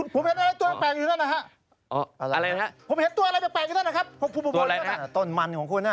ผมเห็นตัวแปลงอยู่นั่นนะฮะ